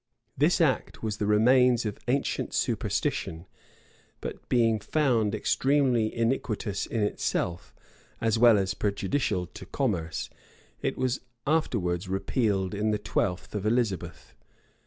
[] This act was the remains of ancient superstition; but being found extremely iniquitous in itself, as well as prejudicial to commerce, it was afterwards repealed in the twelfth of Elizabeth.